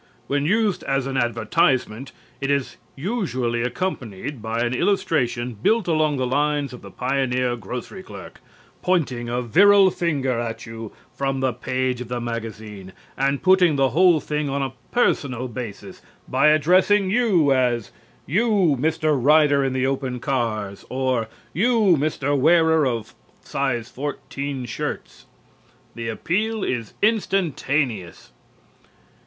When used as an advertisement it is usually accompanied by an illustration built along the lines of the pioneer grocery clerk, pointing a virile finger at you from the page of the magazine, and putting the whole thing on a personal basis by addressing you as "You, Mr. Rider in the Open Cars!" or "You, Mr. Wearer of 14½ Shirts!" The appeal is instantaneous.